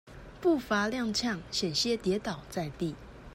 步伐踉蹌險些跌倒在地